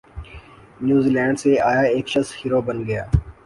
نیوزی Zealand آیا ایک شخص ہیرو بن گیا